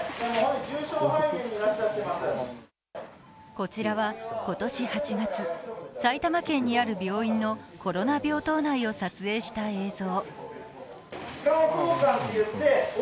こちらは今年８月、埼玉県にある病院のコロナ病棟内を撮影した映像。